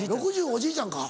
おじいちゃんか？